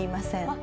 あ！